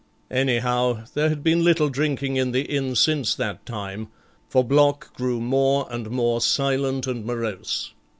Anyhow, there had been little drinking in the inn since that time, for Block grew more and more silent and morose.